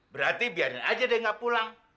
berarti biarin aja deh nggak pulang